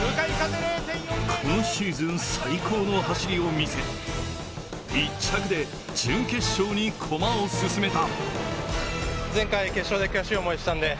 今シーズン最高の走りを見せ、１着で準決勝に駒を進めた。